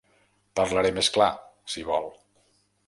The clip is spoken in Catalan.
Parlaré més clar, si vol.